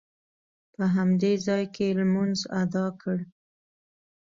په همدې ځاې کې لمونځ ادا کړ.